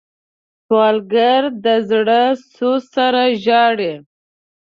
سوالګر د زړه سوز سره ژاړي